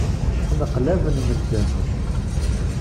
Ttneqlaben medden.